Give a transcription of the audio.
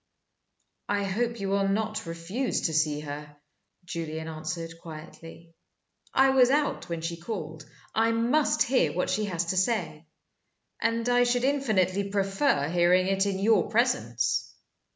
"I hope you will not refuse to see her," Julian answered, quietly. "I was out when she called. I must hear what she has to say and I should infinitely prefer hearing it in your presence.